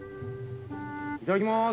いただきます。